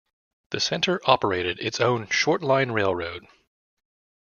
The center operated its own short-line railroad.